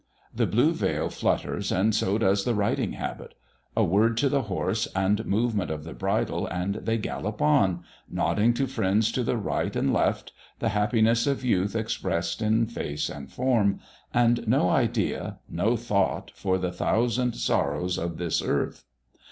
The blue veil flutters, and so does the riding habit; a word to the horse and movement of the bridle, and they gallop on, nodding to friends to the right and left, the happiness of youth expressed in face and form, and no idea, no thought, for the thousand sorrows of this earth.